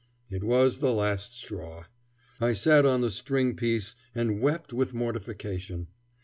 It was the last straw. I sat on the stringpiece and wept with mortification.